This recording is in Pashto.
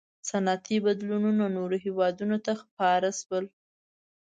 • صنعتي بدلونونه نورو هېوادونو ته خپاره شول.